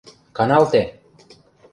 — Каналте!